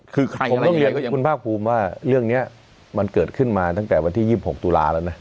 คือใครผมต้องเรียนคุณภาพภูมิว่าเรื่องเงี้ยมันเกิดขึ้นมาตั้งแต่วันที่ยี่สิบหกตุลาเวอร์แล้วนะ